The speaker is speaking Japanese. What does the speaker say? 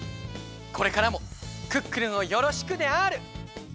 これからも「クックルン」をよろしくである！